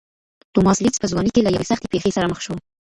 توماس لېډز په ځوانۍ کې له یوې سختې پېښې سره مخ شو.